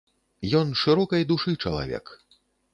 Ён шырокай душы чалавек.